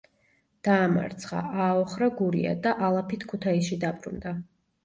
დაამარცხა, ააოხრა გურია და ალაფით ქუთაისში დაბრუნდა.